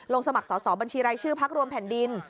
สมัครสอบบัญชีรายชื่อพักรวมแผ่นดิน